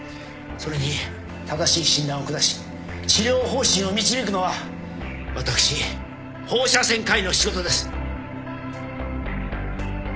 それに正しい診断を下し治療方針を導くのは私放射線科医の仕事です。